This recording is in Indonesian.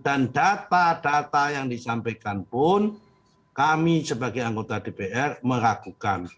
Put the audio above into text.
dan data data yang disampaikan pun kami sebagai anggota dpr meragukan